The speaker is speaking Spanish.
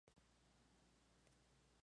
Por defecto tiene valores restrictivos.